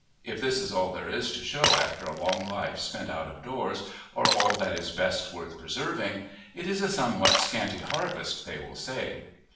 If this is all there is to show after a long life spent out of doors, or all that is best worth preserving, it is a somewhat scanty harvest, they will say.